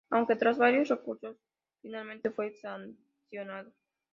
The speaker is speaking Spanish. Aunque tras varios recursos finalmente fue sancionado.